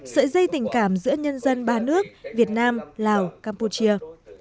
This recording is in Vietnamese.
sợi dây tình cảm giữa nhân dân ba nước việt nam lào campuchia